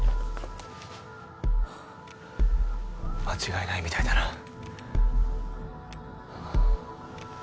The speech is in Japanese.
間違いないみたいだな。